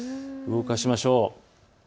動かしましょう。